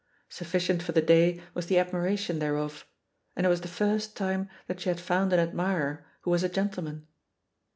Sufficient for the day was the admiration thereof — ^and it was the first time that she had foimd an admirer who was a gentleman.